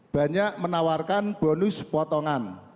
banyak menawarkan bonus potongan